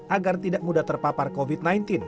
agar tidak mudah terpapar covid sembilan belas